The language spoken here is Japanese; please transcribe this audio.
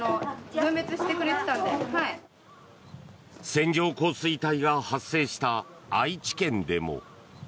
線状降水帯が発生した愛知県でも。